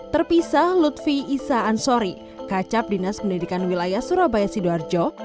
terpisah lutfi isa ansori kacab dinas pendidikan wilayah surabaya sidoarjo